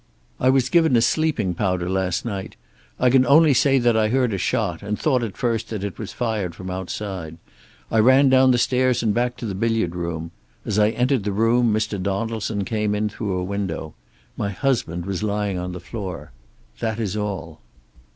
I was given a sleeping powder last night. I can only say that I heard a shot, and thought at first that it was fired from outside. I ran down the stairs, and back to the billiard room. As I entered the room Mr. Donaldson came in through a window. My husband was lying on the floor. That is all."